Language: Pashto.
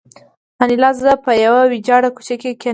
انیلا زه په یوه ویجاړ کوچ کې کېنولم